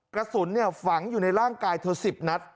กระสุนฝังอยู่ในร่างกายเธอ๑๐นัด